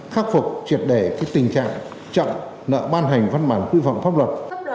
khắc phục triệt đẻ các tình trạng chậm nợ ban hành văn bản quy phạm pháp luật